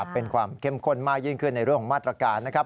เป็นความเข้มข้นมากยิ่งขึ้นในเรื่องของมาตรการนะครับ